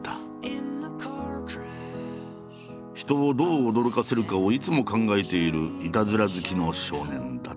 人をどう驚かせるかをいつも考えているいたずら好きの少年だった。